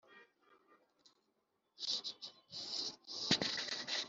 yesu ntiyigeze agerageza kwiburanira cyangwa ngo aburanire abigishwa be